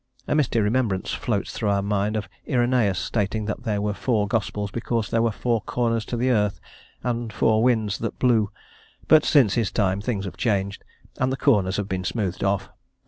A misty remembrance floats through our mind of Iræneus stating that there were four gospels because there were four corners to the earth and four winds that blew; but since his time things have changed, and the corners have been smoothed off.